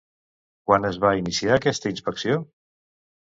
Quan es va iniciar aquesta inspecció?